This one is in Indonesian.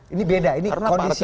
ini beda ini kondisi yang berbeda